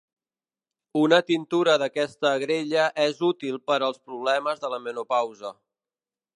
Una tintura d'aquesta agrella és útil per als problemes de la menopausa.